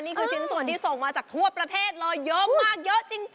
นี่คือชิ้นส่วนที่ส่งมาจากทั่วประเทศเลย